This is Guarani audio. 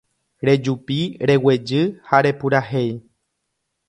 Rejupi, reguejy ha repurahéi